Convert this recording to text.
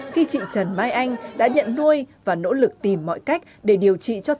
khi chị trần mai anh đã nhận nuôi và nỗ lực tìm mọi cách để điều trị cho thịt lợn